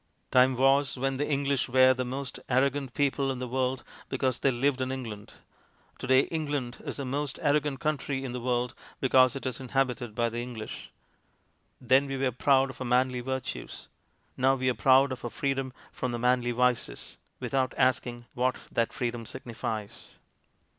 Time was when the English were the most arrogant people in the world because they lived in England ; to day England is the most arro gant country in the world because it is inhabited by the English. Then we were proud of our manly virtues ; now we are proud of our freedom from the manly vices, without asking what that freedom signifies.